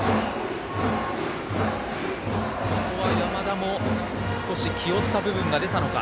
ここは山田も少し気負った部分が出たのか。